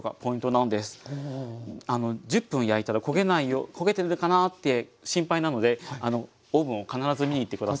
１０分焼いたら焦げないよう焦げてるかなって心配なのでオーブンを必ず見にいって下さい。